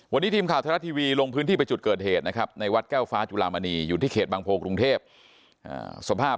วันนี้ทีมข่าวไทยรัฐทีวีลงพื้นที่ไปจุดเกิดเหตุนะครับในวัดแก้วฟ้าจุลามณีอยู่ที่เขตบางโพกรุงเทพสภาพ